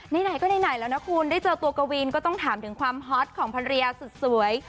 ไหนก็ไหนแล้วนะคุณได้เจอตัวกวีนก็ต้องถามถึงความฮอตของภรรยาสุดสวย